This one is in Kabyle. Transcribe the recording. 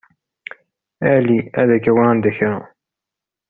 Ali. Ad k-awiɣ anda kra.